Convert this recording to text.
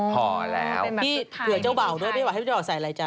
พอแล้วถือเจ้าเบาด้วยเปลี่ยวะให้เราใส่อะไรจัง